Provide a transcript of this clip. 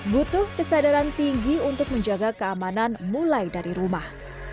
butuh kesadaran tinggi untuk menjaga keamanan mulai dari rumah